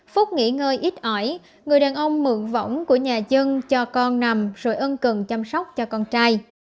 phúc nghỉ ngơi ít ỏi người đàn ông mượn vỏng của nhà dân cho con nằm rồi ân cần chăm sóc cho con trai